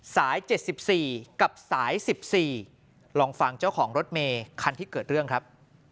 สาย๗๔กับสาย๑๔ลองฟังเจ้าของรถเมย์คันที่เกิดเรื่องครับ